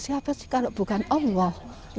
siapa sih kalau bukan allah